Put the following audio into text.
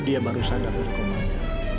dia baru sadar rekomendannya